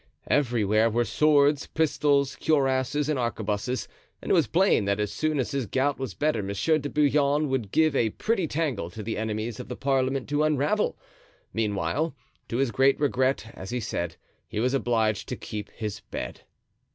Everywhere were swords, pistols, cuirasses, and arquebuses, and it was plain that as soon as his gout was better Monsieur de Bouillon would give a pretty tangle to the enemies of the parliament to unravel. Meanwhile, to his great regret, as he said, he was obliged to keep his bed.